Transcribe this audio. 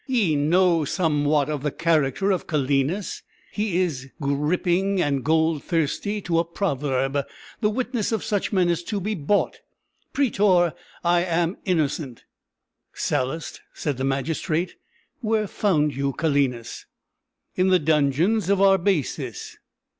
ye know somewhat of the character of Calenus he is griping and gold thirsty to a proverb; the witness of such men is to be bought! Prætor, I am innocent!" "Sallust," said the magistrate, "where found you Calenus?" "In the dungeons of Arbaces."